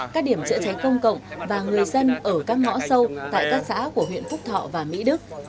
các điểm chữa cháy công cộng và người dân ở các ngõ sâu tại các xã của huyện phúc thọ và mỹ đức